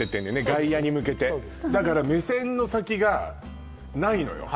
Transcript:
外野に向けてだから目線の先がないのよ